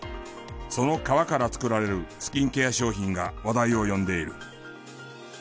その皮から作られるスキンケア商品が話題を呼んでいる。